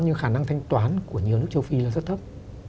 nhưng khả năng thanh toán của nhiều nước châu phi là rất thấp